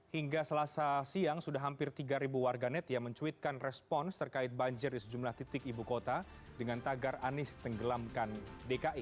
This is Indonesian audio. hingga selasa siang sudah hampir tiga warganet yang mencuitkan respons terkait banjir di sejumlah titik ibu kota dengan tagar anies tenggelamkan dki